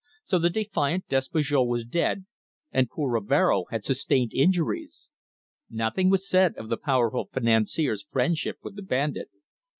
So the defiant Despujol was dead, and poor Rivero had sustained injuries! Nothing was said of the powerful financier's friendship with the bandit.